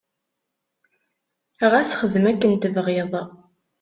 Ɣas xdem akken tebɣiḍ.